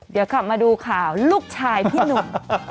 เดี๋ยวกลับมาดูข่าวลูกชายพี่หนุ่ม